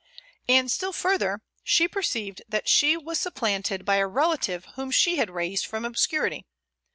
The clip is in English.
And, still further, she perceived that she was supplanted by a relative whom she had raised from obscurity.